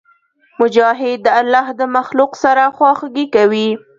مجاهد د الله د مخلوق سره خواخوږي کوي.